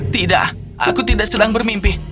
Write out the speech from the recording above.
tidak aku tidak sedang bermimpi